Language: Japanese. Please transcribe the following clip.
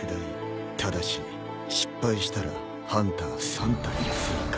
ただし失敗したらハンター３体追加。